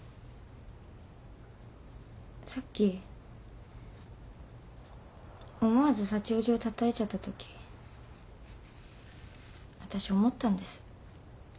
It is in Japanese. さっき思わずさちおじをたたいちゃったときわたし思ったんです。